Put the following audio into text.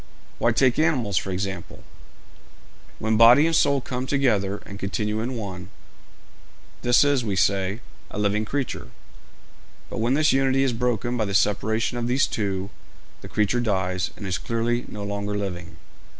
'Why, take animals, for example. When soul and body come together, and continue in one, this is, we say, a living creature; but when this unity is broken by the separation of these two, the creature dies, and is clearly no longer living.